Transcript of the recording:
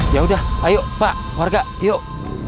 yaudah ayo pak warga yuk